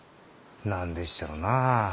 何でっしゃろなあ。